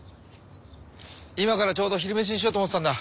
今からちょうど昼飯にしようと思ってたんだ。